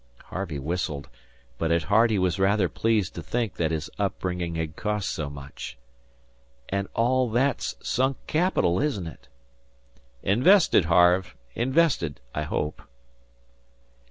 Harvey whistled, but at heart he was rather pleased to think that his upbringing had cost so much. "And all that's sunk capital, isn't it?" "Invested, Harve. Invested, I hope."